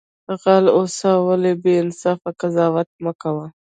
غل اوسه ولی بی انصافی قضاوت مکوه